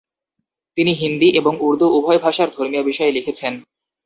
তিনি হিন্দী এবং উর্দু উভয় ভাষায় ধর্মীয় বিষয়ে লিখেছেন।